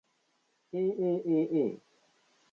aaaa